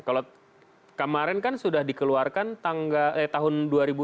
kalau kemarin kan sudah dikeluarkan tahun dua ribu dua puluh